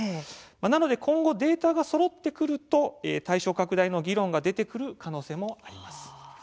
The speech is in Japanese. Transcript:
なので今後データがそろってくると対象拡大の議論が出てくる可能性もあります。